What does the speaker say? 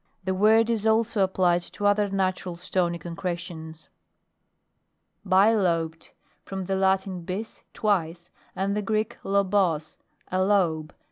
The word is also applied to other natural etony concretions. BILOBED From the Latin, bis, twice, and the Greek lobos, a lobe.